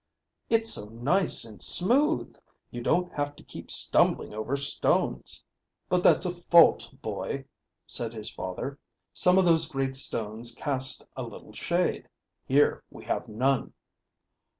"It's so nice and smooth. You don't have to keep stumbling over stones." "But that's a fault, boy," said his father. "Some of those great stones cast a little shade. Here we have none.